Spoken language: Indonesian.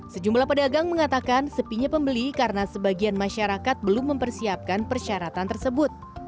sejumlah pedagang mengatakan sepinya pembeli karena sebagian masyarakat belum mempersiapkan persyaratan tersebut